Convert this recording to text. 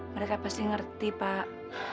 mereka pasti ngerti pak